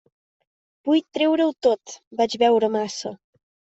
Vull treure-ho tot: vaig beure massa.